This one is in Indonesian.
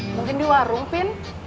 mungkin di warung bin